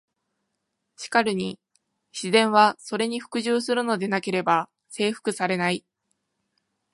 しかるに「自然は、それに服従するのでなければ征服されない」。